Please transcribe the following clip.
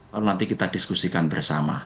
lalu nanti kita diskusikan bersama